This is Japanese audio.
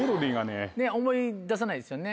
思い出さないですよね